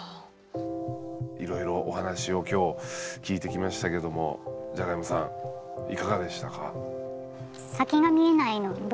いろいろお話を今日聞いてきましたけどもじゃがいもさんいかがでしたか？